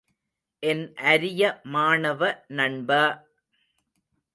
என் அரிய மாணவ நண்ப!